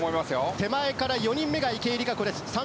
手前から４人目が池江璃花子です。